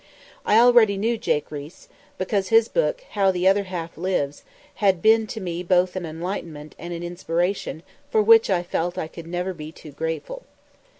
I already knew Jake Riis, because his book "How the Other Half Lives" had been to me both an enlightenment and an inspiration for which I felt I could never be too grateful.